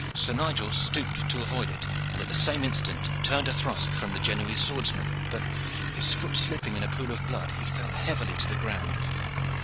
Sir Nigel stooped to avoid it, and at the same instant turned a thrust from the Genoese swordsman, but, his foot slipping in a pool of blood, he fell heavily to the ground.